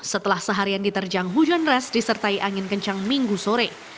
setelah seharian diterjang hujan ras disertai angin kencang minggu sore